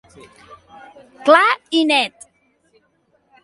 Clar i net.